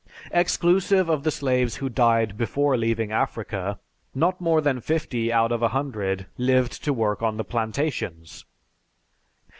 Exclusive of the slaves who died before leaving Africa, not more than fifty out of a hundred lived to work on the plantations.